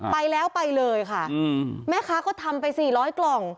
ไปแล้วไปเลยค่ะแม่ค้าก็ทำไป๔๐๐กล่อง